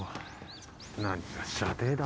何が舎弟だ